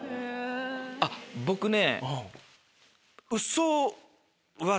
あっ僕ね。